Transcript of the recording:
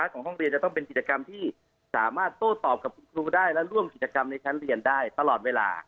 ของห้องเรียนจะต้องเป็นกิจกรรมที่สามารถโต้ตอบกับคุณครูได้และร่วมกิจกรรมในชั้นเรียนได้ตลอดเวลา